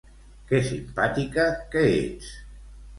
Que simpàtica que ets.